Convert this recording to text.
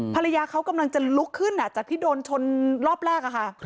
ภรรยาเขากำลังจะลุกขึ้นจากที่โดนชนรอบแรกค่ะ